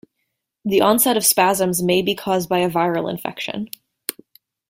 The onset of spasms may be caused by a viral infection.